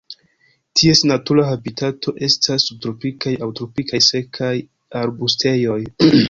Ties natura habitato estas subtropikaj aŭ tropikaj sekaj arbustejoj.